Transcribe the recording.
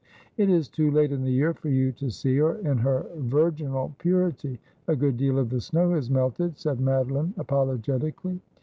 ' It is too late in the year for you to see her in her virginal purity. A good deal of the snow has melted,' said Madoline apologetically.